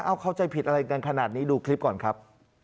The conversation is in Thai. เอาเข้าใจผิดอะไรกันขนาดนี้ดูคลิปก่อนครับ